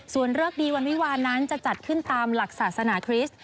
เลิกดีวันวิวานั้นจะจัดขึ้นตามหลักศาสนาคริสต์